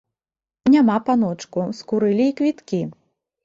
Няма, паночку, скурылі і квіткі.